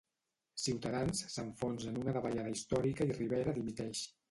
Ciutadans s'enfonsa en una davallada històrica i Rivera dimiteix